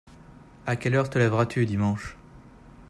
À quelle heure te lèveras-tu dimanche ?